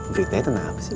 berita itu tentang apa sih